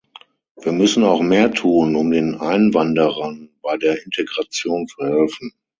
Wir müssen auch mehr tun, um den Einwanderern bei der Integration zu helfen.